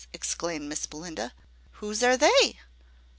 exclaimed Miss Belinda. "Whose are they?"